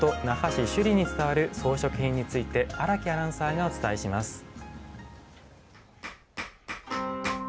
那覇市首里に伝わる装飾品について荒木アナウンサーがお伝えします。